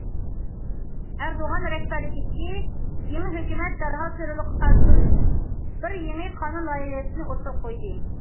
ئەردوغان رەھبەرلىكىدىكى يېڭى ھۆكۈمەت دەرھال تېررورلۇققا قارشى تۇرۇش بىر يېڭى قانۇن لايىھەسىنى ئوتتۇرىغا قويدى.